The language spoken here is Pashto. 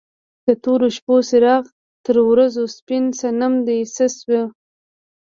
د تورو شپو څراغ تر ورځو سپین صنم دې څه شو؟